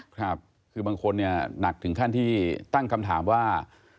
คือบางคนเนี่ยหนักถึงขั้นที่ตั้งคำถามว่า